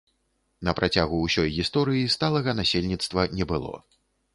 На працягу ўсёй гісторыі сталага насельніцтва не было.